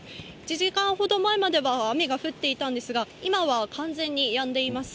１時間ほど前までは雨が降っていたんですが、今は完全にやんでいます。